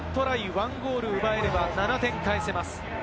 １ゴールを奪えれば、７点返せます。